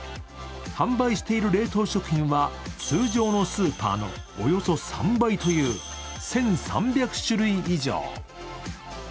販売している冷凍食品は通常のスーパーのおよそ３倍という１３００種類以上。